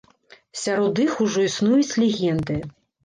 Сярод іх ужо існуюць легенды.